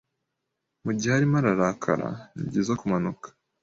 Mu gihe arimo arakara ni byiza kumanuka